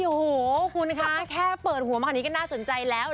โหคุณคะแค่เปิดหัวมากนี้ก็น่าสนใจแล้ว